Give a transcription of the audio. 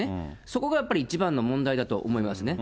そこがやっぱり一番の問題だと思いますね。